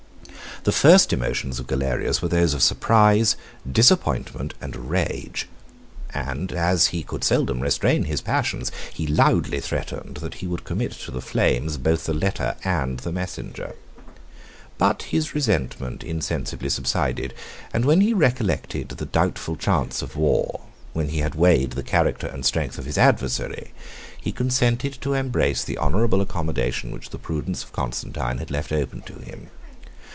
The first emotions of Galerius were those of surprise, disappointment, and rage; and as he could seldom restrain his passions, he loudly threatened, that he would commit to the flames both the letter and the messenger. But his resentment insensibly subsided; and when he recollected the doubtful chance of war, when he had weighed the character and strength of his adversary, he consented to embrace the honorable accommodation which the prudence of Constantine had left open to him.